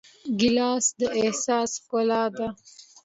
ګیلاس د احساس ښکلا ده.